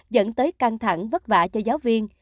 dẫn tới căng thẳng vất vả cho giáo viên